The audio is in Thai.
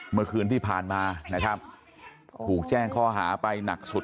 เมื่อคืนที่ผ่านมานะครับถูกแจ้งข้อหาไปหนักสุด